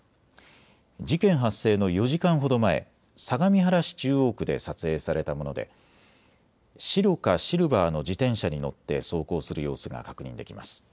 事件発生の４時間ほど前、相模原市中央区で撮影されたもので白かシルバーの自転車に乗って走行する様子が確認できます。